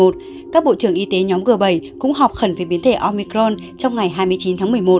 các bộ trưởng y tế nhóm g bảy cũng họp khẩn về biến thể omicron trong ngày hai mươi chín tháng một mươi một